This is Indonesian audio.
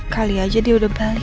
kali aja dia udah balik